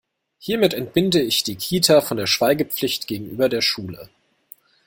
Hiermit entbinde ich die Kita von der Schweigepflicht gegenüber der Schule.